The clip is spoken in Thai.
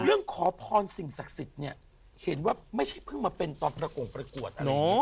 ขอพรสิ่งศักดิ์สิทธิ์เนี่ยเห็นว่าไม่ใช่เพิ่งมาเป็นตอนประกงประกวด